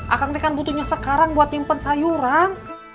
akang tekan butuhnya sekarang buat nyimpen sayuran